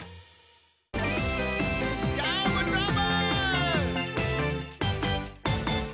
どーもどーも！